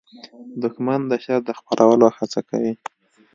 دښمن د شر د خپرولو هڅه کوي